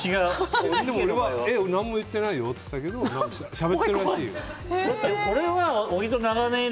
俺、何も言ってないよって言ったけどしゃべってるらしい。